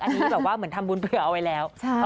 อันนี้แบบว่าเหมือนทำบุญเผื่อเอาไว้แล้ว